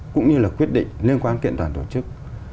cũng như là quyết định liên quan kiện toàn tổ chức